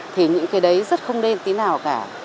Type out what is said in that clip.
thì những cái đấy rất không nên tí nào cả